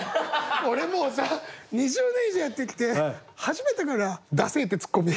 俺もうさ２０年以上やってきて初めてかな「ダセエ」ってツッコミ。